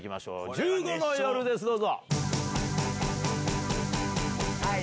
１５の夜です、どうぞ。